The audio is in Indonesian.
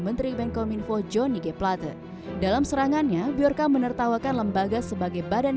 menteri bankominfo johnny g plata dalam serangannya biarca menertawakan lembaga sebagai badan